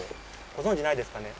ご存じないですかね？